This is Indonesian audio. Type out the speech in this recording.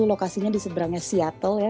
lokasinya di seberangnya seattle ya